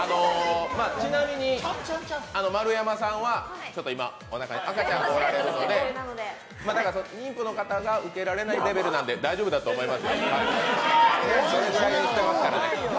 ちなみに、丸山さんは今、おなかに赤ちゃんがおられるので妊婦の方が受けられないレベルなんで大丈夫だと思います。